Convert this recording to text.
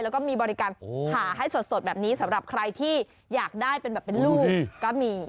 แล้วก็มีบริการผ่าให้สดแบบนี้สำหรับใครที่อยากได้เป็นแบบเป็นลูกก็มี